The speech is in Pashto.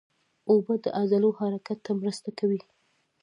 اوبه د عضلو حرکت ته مرسته کوي